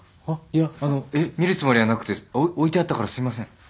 あっいやあのえっ見るつもりはなくてお置いてあったからすいません。